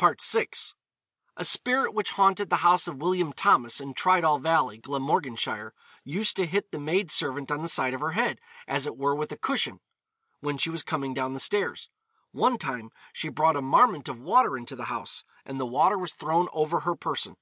VI. A spirit which haunted the house of William Thomas, in Tridoll Valley, Glamorganshire, used to hit the maid servant on the side of her head, as it were with a cushion, when she was coming down the stairs. 'One time she brought a marment of water into the house,' and the water was thrown over her person.